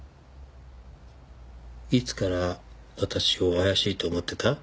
いつから私を怪しいと思ってた？